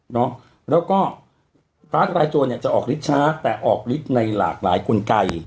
เนาะแล้วก็การ์ดรายตัวเนี่ยจะออกฤทธิ์ช้าแต่ออกฤทธิ์ในหลากหลายกลไก